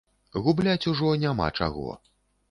Губляць ужо няма чаго.